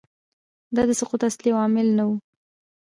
دا د سقوط اصلي عوامل نه وو